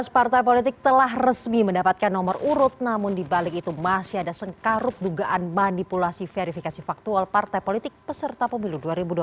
tujuh belas partai politik telah resmi mendapatkan nomor urut namun dibalik itu masih ada sengkarut dugaan manipulasi verifikasi faktual partai politik peserta pemilu dua ribu dua puluh